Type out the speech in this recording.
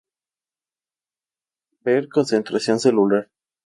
Ver: concentración celular.